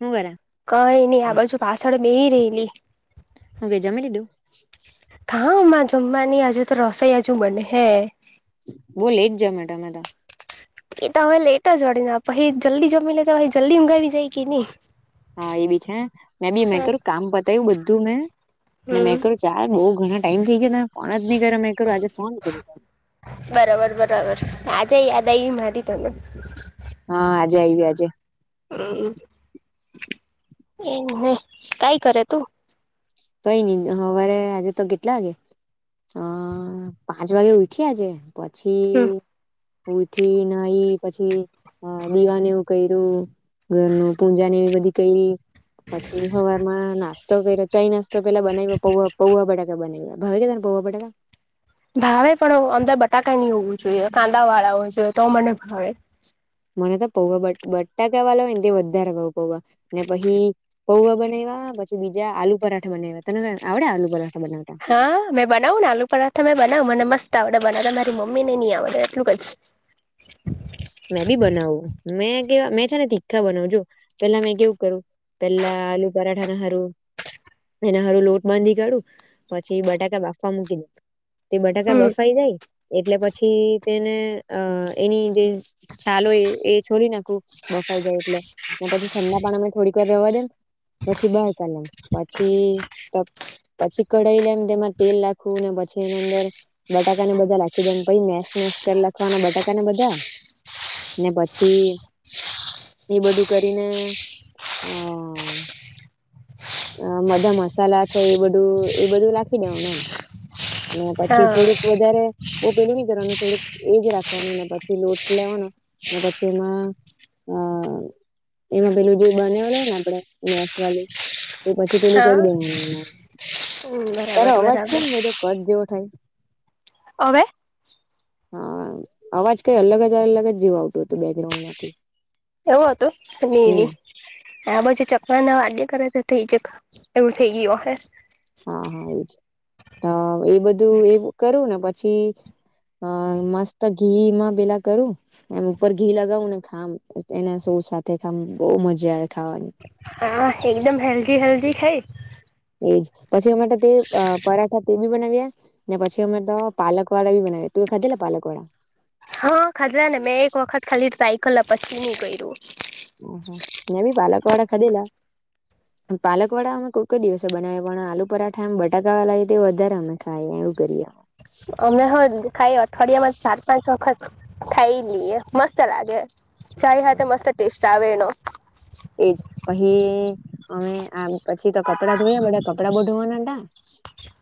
હું કરા કંઈ નઈ આ બાજુ પાછળ બેહી રેહેલી હુ કે જમી લીધું? જમા ની હજુ તો રસોઈ જ હજુ બનેહે બો લેટ જમે તમે તો એ તો હવે લેટ જ વળીના પહી જલ્દી જમી લય તો જલ્દી ઊંઘ આવી જાય કે ની હા એ બી છે મે બી મે કર્યું કામ બતાવ્યું બધું મેં અને મેં હમ કહ્યું ચાલ બઉુ ઘણા ટાઈમ થઈ ગયો તને ફોન જ નહી કરે મેં કરું આજે ફોન કર બરોબર બરોબર આજે યાદ આવી મારી તને? મજા આવી આજે હમ. એમ કંઈ કરે તું? કંઈ નઈ સવારે આજે તો કેટલા વાગે હ. ‌.... પાંચ વાગે ઉઠી આજે હમ પછી ઊઠી, નાહી પછી દીવાને એવું કર્યું ઘરનું પૂજા ને એવી બધી કઈ પછી હવામાં નાસ્તો કર ચઇનાસ તો પેલા બનાવી પૌ પૌવા બટાકા બનાવી્યા ભવે કે તને પૌવા બટાકા ભાવે પણ અમંદર બટાકા નની હોવું જોઈએ કાંદા વાળા હો જોઈએ તો મને ભાવે મને તો પૌવા બ બટા કેવા લ હોય ને તે વધારે ભઉ પૌવા ને પછી પૌવા બનાવવા પછી બીજા આલુ પરાઠા બનાવ્યા તને આવડે આલુ પરાઠા બનાવતા હા મેં બનાવને આલુ પરાઠા મેં બનાવ મને મસ્ત ડે બનાવતા મારી મમ્મી ને નહી આવડે એટલું ક જ મેં બી બનાવું મે કે મેં છે ને તીખા બનાવજો પેલા મેં કેવું કરું પેલા આલુ પરાઠના હારું એના હારું લોટ બાંધી કાઢું પછી બટાકા બાફવા મૂકી દે તે બટાકા હમ બફાઈ જાય એટલે પછી તેને અ એની જે છાલ હોય એ છોડી નાખું બફાઈ જાય એટલે પછી ઠંડા પા અમે થોડીક વાર રવા દમ પછી બાર કલેમ પછી પછી કઢાઈ લે એમ તેમાં તેલ લખવું ને પછી એની અંદર બટાકાને બધા લખી દમ પ મેસ મેસ કરી લખવાના બટાકાને બધા પછી એ બધું કરીને અ અ મધા મસાલા છે એ બધું એ બધું લખી દેવને એમ પછી હા થોડુંક વધારે બ પેલું નહી કરવાનું થોડુંક એજ રાખવાનું ને પછી લોટ લેવાનો ને પછી એમાં હા એમાં પેલું જે બનેલ હોય ને આપડે મેસ વાળું તો પછી પનું કરી હા દેવાનું હમ તારો બરાબર અવાજ બરાબર કેમ બધો કટ જેવો થાય ઓવે. હા અવાજ કઈ અલગ જ અલગ જ જેવું આવતું હતું બેકગ્રાઉન્ડ માંથી એવો હતો નહી હમ નહી આ પછી ચકલા ના વાગ્ય કરે થઈ જ એવું થઈ ગયું હ હા હા એજ એ બધું એવું કરું ને પછી અ મસ્ત ઘીમાં પેલા કરું એમ ઉપર ઘી લગાવું ને ખામ એના સાથે બહ મજા આવે ખાવાની હા એકદમ હેલ્જી હેલ્જી ખાય એજ પછી અમારે તો તે પરાઠા તે બી બનાવ્યા ને પછી અમે તો પાલક વાળા બી બનાવ ત ખદલા પાલકોોડા હા ખાજરા ને મેં એક વખત ખાલી સાઈકલ પછી નું કર્યું મેં બી પાલક વાળા ખાધેલા પાલક વાળા અમે કોઈક દિવસે બનાવી પણ આલુ પરાઠા એમ બટાકા વાળા વધારે અમે ખાયએ નું કરિયા અમે હ ખાઈ અઠવાડિયામાં ચાર પાંચ વખત ખાઈ લઈએ મસ્ત લાગે ચાય હ મસ્ત ટેસ્ટ આવે એનો એજ પહી અમે આમ પછી તો કપડા ધોયા બઘા કપડા બ ધોવાનાજ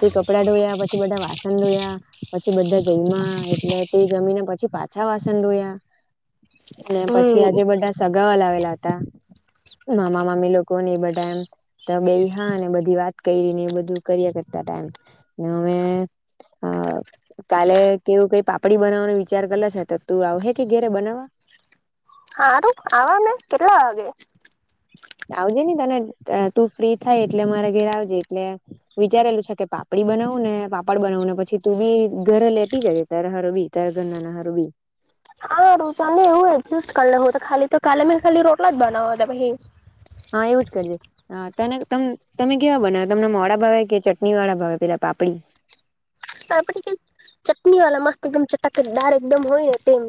તે કપડાં ધોયા પછી બધા વાસણ ધોયા પછી બધા જમ્યા એટલે તે જમીને પછી પા પાછા વાસન ધોયા [inaudible] ને પછી હમ આજે બધા સગાવાલા આવેલા હતા [inaudible] મામા મામી લોકો ને એ બધા એમ તો બેહ્ય બધી વાત કરી ને એ બધું કર્યા કરતા તા એમ ને હવે હ કાલે કેવું કઈ પાપડી બનાવવાનો વિચાર કરલો છે તો તું આવ હે કે ઘેરે બનાવવા હારું આવા મે કેટલા વાગે આવજે નને તને તું ફ્રી થાય એટલે મારા ઘરે આવજે એટલે વિચારેલું છે કે પાપડી બનાવું ને પાપડ બનાવું ને પછી તું બી ઘર લેતી જજે તારા હારું બી તારા ઘરના ના હારું બી હારુ ચાલે ને એવું એડજસ્ત કરલે હુ તો કાલે મેં ખાલી રોટલા જ બનાવા તે પહી હા એવું જ કરજે હા તને તમે કેવા બનાવ તમને મોડા ભાવે કે ચટણી વાળા ભાવે પેલા પાપડી પાપડી કે ચટણી વાળ મસ્ત એકદમ ચટાકેટદાર એકદમ હોય ને તેવું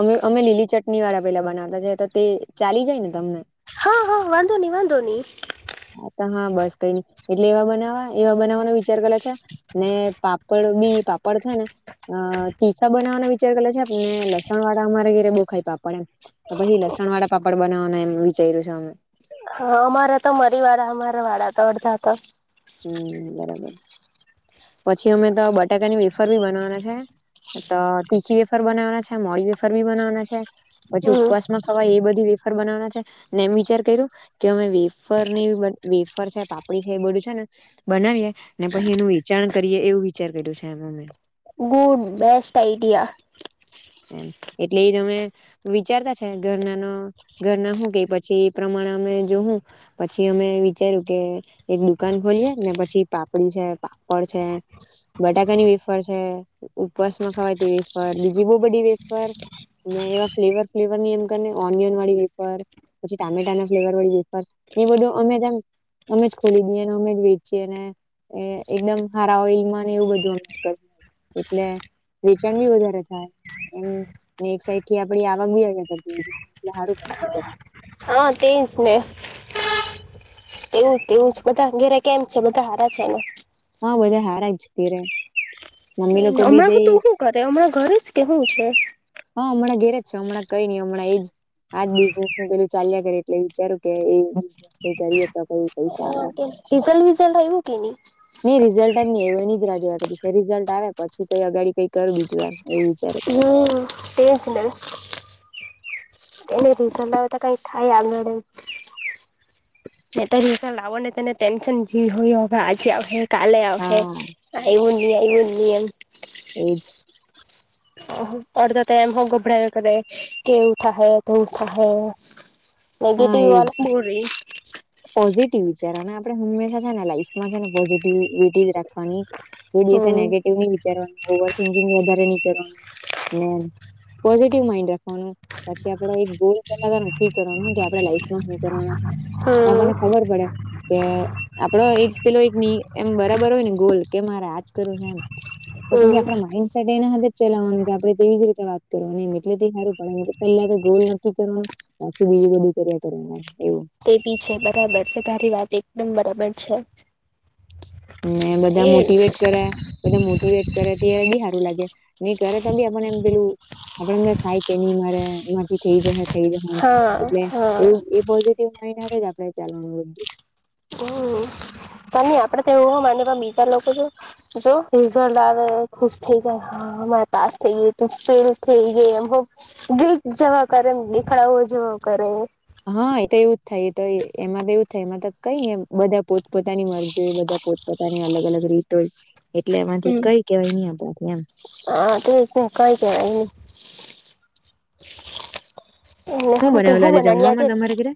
અમે અમે લીલી ચટણી વાળા પેલા બનાવતા છે તો તે ચાલી જાય ને? તમને હા હા વાંધો નહી વાંધો નહી. હા હા, બસ કઈ નઈ એટલે એવા બનાવવા એવા બનાવવાનો વિચાર કર છે ને પાપડ બી પાપડ છે ને અહ તીખા બનાવવાનો વિચાર કરેલા છે એમને લસણ વાળા અમારે ઘેરે બો ખાય પાપડ. પછી લસણ વાળા પાપડ બનાવવાના એમ વિચાર્યું છે અમે. હા, અમારા તો મરી વાળા અમારા વાળા તો અડધા તો. હમ્મ, બરાબર પછી અમે તો બટાકા ની વેફર ભી બનવાના છે. તો તીખી વેફાર બનાવવાના છે મોડી વેફાર બી બનાવાના છે પછી હમ ઉપવાસમાં ખવાએ એ બધી વેફર બનાવાના છે ને એમ વિચાર કર્યું કે અમે વેફર ની વેફર છે પાપડી છે એ બધું છે ને બનાવીએ ને પછી એનું વેચાણ કરીએ એવું વિચાર કર્યું છે એમ અમે. બહુ બેસ્ટ આઈડિયા. એમ એટલે એજ અમે વિચારતા છે ઘરના ન ઘરના શું કે પછી એ પ્રમાણ ને અમે જોવું પછી અમે વિચાર્યું કે એક દુકાન ખોલીયએ ને પછી પાપડી છે પાપડ છે બટાકા ની વિફર છે ઉપવાસ માં ખવાયતી વિફર બીજી બહુ બધી વેફર અને એવા ફ્લેવર ફ્વર ની એમ ઓનિયન વાળી વેફર પછી ટામેટા ના ફ્લેવર વળી વેફર એ બધું અમે અમે જ ખોલી દઈએ ને અમે જ વેચીએ ને એ એકદમ હારા ઓઇલ ને એવું બધું અહ કર એટલે વેચાણ બી વધારે થાય. એમ ને એક સાઈડ થી આપડી આવક બી આવે કરતી એ હારું કરે હા, તેઈ જ ને. એવું તેવું બધા અંગેરા કેમ છે બધા હારા છે એને. હા બધા હારાજ તેરે. તે હમણાં તું હું કરે હમણાં ઘરે જ કે તે હું છે. હા હમણાં ઘેરે જ છે હમણાં કઈ નહી નઈ હમણાં એ જ આજ બિઝનેસું પેલું ચાલ્યા કરે એટલે વિચારું કે એ બિઝનેસ બી કરીએ તાકા એ બી સારા રિઝલ્ટ વિઝલ્ટ આવ્યું કે નહી નહીં રિસલ્ટ અજ નહીં આયુ એ નીદરા જો રિઝલ્ટ આવે પછી કઈ અગાડી કઈ કરવી જોઈએ એમ. એવું વિચારું હમ્મ, તેજ ને. અને રિસલ્ટ આવે તો કઈક થાય આગાંડે. ત લાવો ને તેને ટેન્શન જે હોય હવે આજે હવે કાલે આવ હે હા આઈ હલી આઈ હલી એમ. એ જ તો હું અર્ધા તો એમ હ ગભરા કરે કે ઉઠા હે તો ઉઠા હે. હા એ નનેગટિવવાલા બોરી ટી વિચારવાના. આપણે હંમેશા છે ને લાઈફમાં છે ને પોઝિટ ટીવીટી રાખવાની એ ડે હમ નેગેટિવ ન વિચારવાનું. ઓવરિકિંગ વધારે નહી કરવાનું. મે પોઝિટિવ માઈન્ડ રાખવાનો. પછી આપડો એક ગોલ લવાનો નક્કી કરવાનોને કે આપડે લાઈફમાં શું કરવાના છે. તો આપણને ખબર પડે કે આપડો એક પેલો એક ની એમ બરાબર હોય ને ગોલ કે મારે આજ કરું છે એમ તો પછી હમ આપડા માઈન્ડસેટ એના હ જ ચલાવાનું. કે આપણેે તેવી જ રીતે વાત કરવાની. ને એ [unintelligible] પહેલા ગોલ નક્કી કરવા, પછી બીજું બધું કર્યા કરવાનું એમ તે તમે છે ને બધા એ મોટીવેટ કરે, બધા મોટીવેટ કરે, તે બી હા લાગે, નહી કરે તો બી આપને એમ પેલું, આપડેને થાય કે નહી મારે મારથી થઈ જહે થઈ ગહે. હા એટલે હા એવું એ પોઝિટિવ માઈન્ડ હાતેજ આપણેે ચાલવાનું બધું તોહો મને પણ બીજા લોકો જો રિઝલ્ટ આવે ખુશ થઈ જાય હા મારા પા તો ફેલ થઈ જ એમ [unintelligible] હા એ તો એવું જ થાય. તો એમાં તો એવું થાય એમાં તો. કઈ ને બધા પોત પોતાની મરજી હો બધા પોતપોતાની અલગ અલગ રીતો હોય. એટલે એમાંથી હમ કઈ કેવાય નહી આપણાથી એમ હા એ તો કઈ કેવાય નહી એટલે હું કઈ બનાવેલું હુ બનાની આજે જમવામાં તમારે ઘરે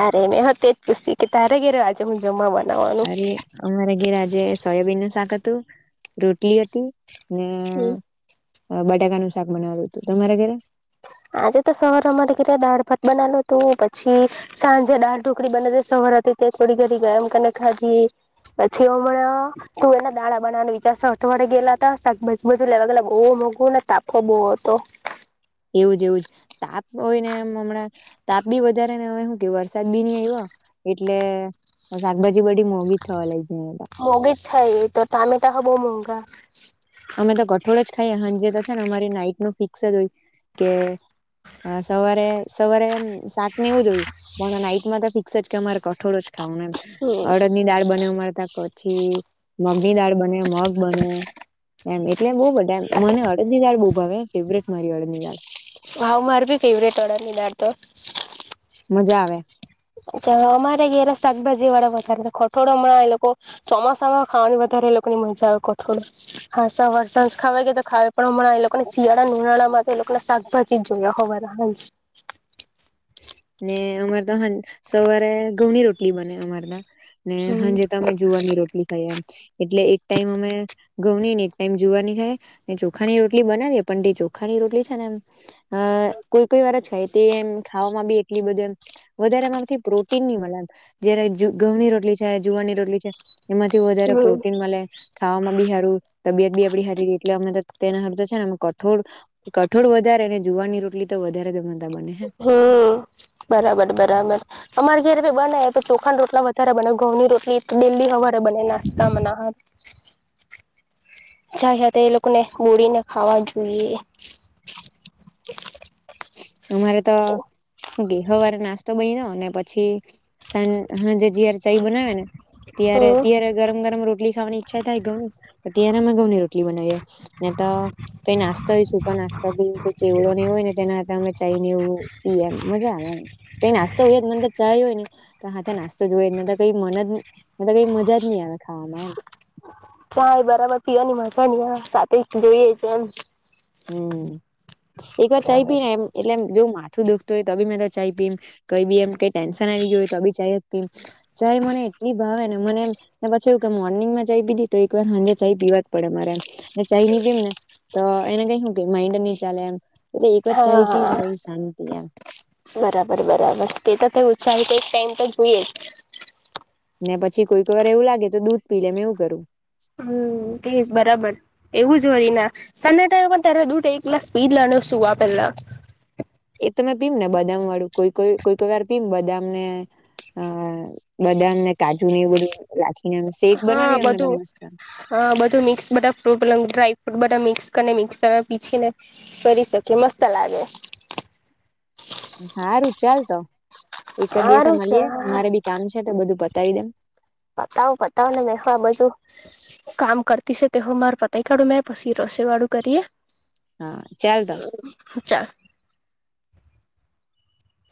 આ [unintelligible] તારગીર અરે અમારે ઘેર આ જે સોયાબીન નું શાક હતું, રોટલી હતી, ને બટાકાનું શાક બનાવેલુ હતું. તમારે ઘરે? આજે તો સવાર અમારે ઘરે દાળભાત બનાવેલુ. તું પછી સાંજે દાળ ઢોકળી બનવી. સા રાતીતે થોડી ઘડી [unintelligible] પછી હમણા તુંવેરના દાળા બનાવાનું વિચારશે. અઠવાડે ગેલા હતા શાકભાજ બધુ લેવા મોંઘુ ને તાપહે બહુ હતો એવું જ એવું જ, તાપ હોય ને એમ હમણાં તાપ બી વધારે ને શું કે વરસાદ બી નહી આવ્યો. એટલે શાકભાજી બધી મોંઘી થવા લાગી મોંઘીજ થાય એતો ટામેટા હો બહુ મોંઘા અમે તો કઠોળ જ ખાઈએ હાંજેતો છેને અમારી નાઈટ ન ફિક્સ જ હોય. કે હા સવારે સવારે એમ શાક ને એવુંજ હોય. પણ નાઈટમાં તો ફિક્સજ કે અમારે કઠોળ જ હમ અડદ ની દાળ બનેવા પછી મગનીદાળ બને, મગ બને એમ એટલે બહુબધા મને અળદની દાળ બહુ ભાવે ફેવરેટ મારી અળદની દાળ હા મારાભી ફેવરિટ અડદની દાળતો મજા આવે. અચ્છા, અમારે ઘરે શાકભાજી વાળા વધારે, કઠોળો હમણાં એ લોકો ચોમાસામાં ખાવાની વધારે એ લોકો ની મજા આવે કઠોળ. [unintelligible] ખાવાય કે ખાવ પણ હણા એ લોકોને શિયાળા ઉનાળામાં એ લોકો ના શાકભાજી જોયા હોવાના હોયજ ને અમાર તો હન સવારે ઘઉંની રોટલી બને અમાર તા ને હમ હમ હાંજે તો અમે જોવાની રોટલી ખાઈ એમ એટલે એક ટાઈમ અમે ઘઉની ને એક ટાઈમ જુવાની ખાએ. ચોખાની રોટલી બનાવીએ પણ ચોખાની રોટલી છે ને, એમ અ કોઈ કોઈ વારજ ખાઈએ તેમ ખાવામાં બી એટલી બધી એમ વધારે માંથી પ્રોટીન ની મળે જયારે જુ ઘઉની રોટલી છે જુવા રોટલી છે એમાંથી વધારે પ્રોટીન મળે. ખાવામાં બી હારી. તબિયત બી આપડી હારીરે એટલે અમે તેને સારું તો છે ને કઠોળ કઠોળ વધાર જુવારની રોટલી તો વધારે જમતા બને હ બરાબર બરાબર. અમારે ઘરે ભી બને તો ચોખા ના રોટલા વધારે બને, ઘઉં ની રોટલી એ લી હવારે બને નાસ્તા મના હાર ચાય હાથે તો એ લોકોને બોડીને ખાવા જોઈએ. મારે તો બી હવારે નાસ્તો બની નો ને પછી સાંજ જે જયારે ચાય બનાવે ને ત્યારે હમ ત્યારે ગરમ ગરમ રોટલી ખાવાની ઈચ્છા થાય ઘઉં ત્યારે અમે ઘઉં ની રોટલી બનાવીએ ને તો કઈ નાસ્તા હોય સૂકા નાસ્તા બીઈ ચેવડો નહી હોય ને તા અમે ચાય ને એવું પી એમ મજા આવે એમ કઈ નાસ્તો હો મન તો ચાય હોય ને તો હા ટનનાસ્તો જોયને કઈ મન જ કઈ મજા જ નહી આવે ખાવામાં એમ. ચાય બરાબર પીવાની મજા ની આ સાથે જોઈએ છે એમ. હમ્મ, એક વાર ચાય ભી ને એમ એટલે એમ જો માથું દુખતો હોય તો બી મે તો ચાય પીમ કઈ બી એમ કઈ ટેન્શન આવી ગય હોય તો બી ચાય જ પીમ ભાઈ મને એટલી ભાવે ને મને એમ પછી એવું કે મોર્નિંગમાં ચાઈ પીધી તો એકવાર સાંજે ચાઈ પીવા જ પડે મારે. મેં ચાઈની પીવુ ને તો એને કઈ શું કે માઇન્ડ નહી ચાલે એમ. એટલે એક વાર હા ચાય પી ને પછી શાંતિ હા એમ બરાબર બરાબર તે તો તેવું ચા તો એક ટાઈમ તો જોઈએ જ. ને પછી કોઈક વાર એવું લાગે તો દૂધ પી લે મેં એવું કરું. હમ્મ, તેજ બરાબર. એવું જ જોઈના સાજણા ટાઈનએ તારે દૂધ એક ગ્લાસ પીઈ જ લેવાનું સુવા પેલા. એ તમે પીમ ને બદામ વાળું કોઈ કોઈ કોઈ વાર પીવુ બદામ ને અ બદામ ને કાજુ ને બધું નાખી હા બધું હા બધું મિક્સ બઘા ફ્રૂટ ડ્રાય ફ્રૂટ બઘા મિક્સ ક ને મિક્સરમાં પીછીને કરી શકે મસ્ત લાગે. હારું ચાલ તો. એક જ દિવસે સારું મળીએે સર મારે બી કામ છે તો બધું બતાવી દેવ પતાવ પતાવ ને મેહો આ બધું. કામ કરતી શે તે હો મારુ પતાવી દેવ મે પછી રસોઈવાળું કરીએ. હા ચાલ તો હ ચાલ